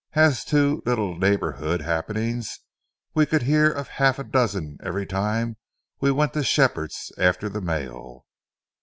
As to little neighborhood happenings, we could hear of half a dozen every time we went to Shepherd's after the mail.